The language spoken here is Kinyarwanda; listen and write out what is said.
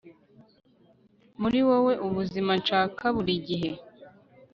Muri wowe ubuzima nshaka burigihe